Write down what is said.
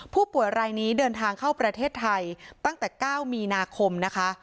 ผู้ป่วยรายนี้เดินทางเข้าประเทศไทยตั้งแต่๙มีนาคมนะคะ